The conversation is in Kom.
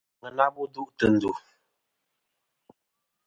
Àŋena bu duʼ tɨ̀ ndù.